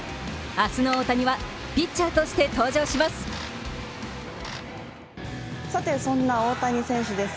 明日の大谷はピッチャーとして登場します。